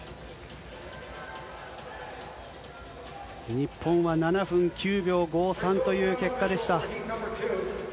日本は７分９秒５３という結果でした。